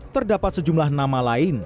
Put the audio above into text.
terdapat sejumlah nama lain